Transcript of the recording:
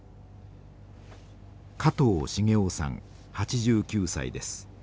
加藤重男さん８９歳です。